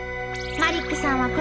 マリックさん